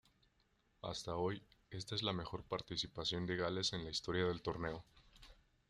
Hasta hoy, esta es la mejor participación de Gales en la historia del torneo.